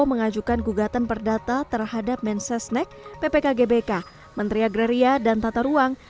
mengajukan gugatan perdata terhadap mensesnek ppkgbk menteri agraria dan tata ruang